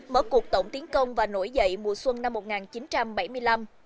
mở cuộc tổng tiến công và nổi dậy mùa xuân năm một nghìn chín trăm bảy mươi năm